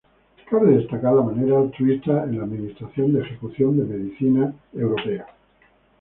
Cabe destacar la manera altruista en la Administración de Ejecución de Medicina Americana.